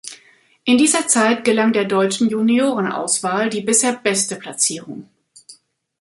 In dieser Zeit gelang der deutschen Juniorenauswahl die bisher beste Platzierung.